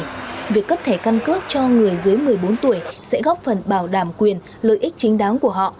vì vậy việc cấp thẻ căn cước cho người dưới một mươi bốn tuổi sẽ góp phần bảo đảm quyền lợi ích chính đáng của họ